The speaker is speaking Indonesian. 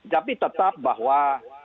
tapi tetap bahwa